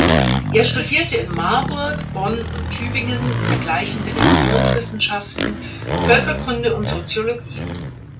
Er studierte in Marburg, Bonn und Tübingen vergleichende Religionswissenschaften, Völkerkunde und Soziologie.